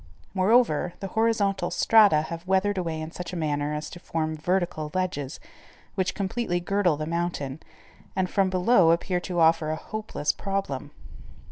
Moreover, the horizontal strata have weathered away in such a manner as to form vertical ledges, which completely girdle the mountain, and, from below, appear to offer a hopeless problem.